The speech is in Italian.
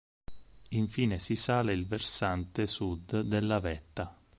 Infine si sale il versante sud della vetta.